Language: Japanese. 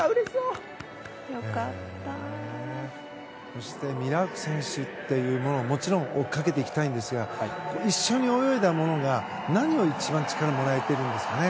そしてミラーク選手はもちろん追いかけていきたいんですが一緒に泳いだものが何が一番力をもらえているんですかね